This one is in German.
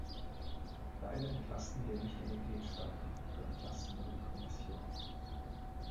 Leider entlasten wir nicht die Mitgliedstaaten, wir entlasten nur die Kommission.